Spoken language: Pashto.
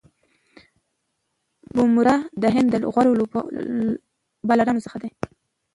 بومراه د هند د غوره بالرانو څخه دئ.